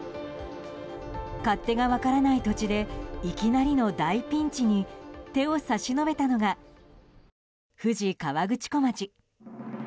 勝手が分からない土地でいきなりの大ピンチに手を差し伸べたのが富士河口湖町。